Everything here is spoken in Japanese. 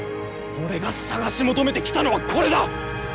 俺が探し求めてきたのはこれだ！